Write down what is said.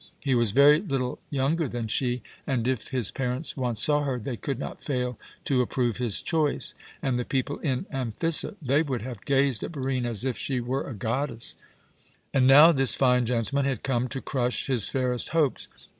He was very little younger than she, and if his parents once saw her, they could not fail to approve his choice. And the people in Amphissa! They would have gazed at Barine as if she were a goddess. And now this fine gentleman had come to crush his fairest hopes.